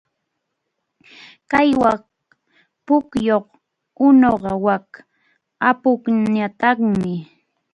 Qhaywaq pukyu unuqa wak apupñataqmi.